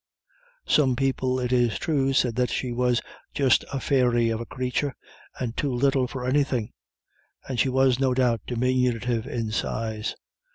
Some people, it is true, said that she was "just a fairy of a crathur, and too little for anythin'," and she was, no doubt, diminutive in size.